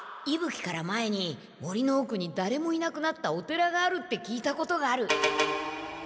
いぶ鬼から前に森のおくにだれもいなくなったお寺があるって聞いたことがある。